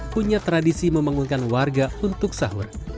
punya tradisi membangunkan warga untuk sahur